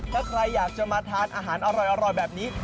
ถ้าใครอยากจะมาทานอาหารอร่อยแบบนี้